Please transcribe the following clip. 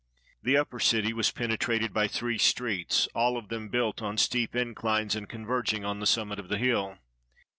The upper city was penetrated by three streets, all of them built on steep inclines, and converging on the sum mit of the hill.